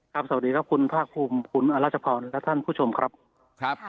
สวัสดีครับคุณภาคภูมิคุณอรัชพรและท่านผู้ชมครับครับ